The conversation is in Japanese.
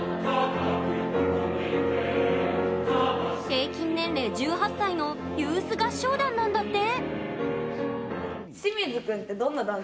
平均年齢１８歳のユース合唱団なんだって。